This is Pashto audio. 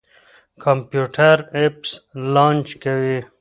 کمپيوټر اپس لانچ کوي.